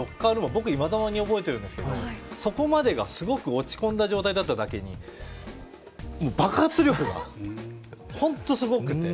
僕、いまだに覚えていますけどそこまでがすごく落ち込んだ状況だっただけに爆発力が本当にすごくて。